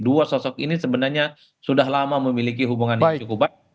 dua sosok ini sebenarnya sudah lama memiliki hubungan yang cukup baik